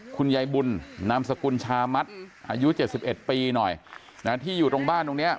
คุณยายบุญนามสกุลชามัดอายุ๗๑ปีหน่อยนะที่อยู่ตรงบ้านตรงเนี้ย